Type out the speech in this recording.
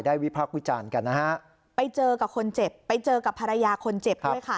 วิพักษ์วิจารณ์กันนะฮะไปเจอกับคนเจ็บไปเจอกับภรรยาคนเจ็บด้วยค่ะ